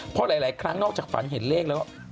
เพราะหลายครั้งนอกจากฝันเห็นเลขแล้วว่า